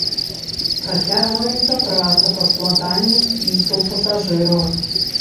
Працягваецца праца па складанні спісаў пасажыраў.